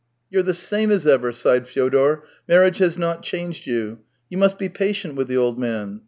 " You're the same as ever," sighed Fyodor. " Marriage has not changed you. You must be patient with the old man.